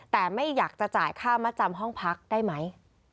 แต่ไม่อยากจะจ่ายค่ามัดจำห้องพักได้ไหม